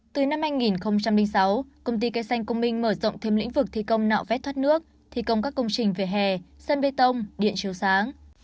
từ năm hai nghìn sáu công ty cây xanh công minh mở rộng thêm lĩnh vực thi công nạo vét thoát nước thi công các công trình về hè sân bê tông điện chiếu sáng